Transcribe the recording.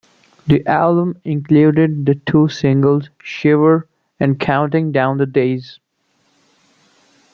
The album included the two singles "Shiver" and "Counting Down the Days".